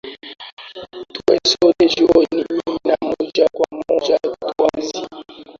tuwe sote jioni hii na moja kwa moja tuanzie